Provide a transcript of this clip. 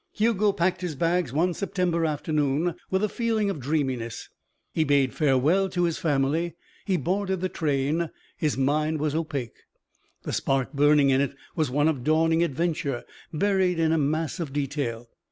Hugo packed his bags one September afternoon, with a feeling of dreaminess. He bade farewell to his family. He boarded the train. His mind was opaque. The spark burning in it was one of dawning adventure buried in a mass of detail.